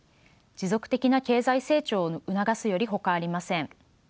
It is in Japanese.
持続的な経済成長を促すよりほかありません。